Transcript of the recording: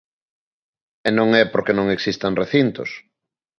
E non é porque non existan recintos.